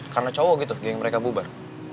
karena cowok gitu geng mereka bubar